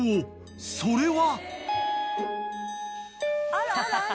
［それは］